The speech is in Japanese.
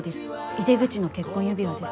井出口の結婚指輪です。